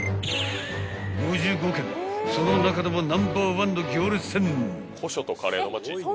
［その中でもナンバーワンの行列店］